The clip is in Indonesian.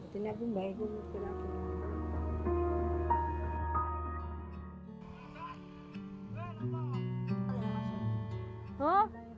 tapi bayi gue mungkin nggak berpikir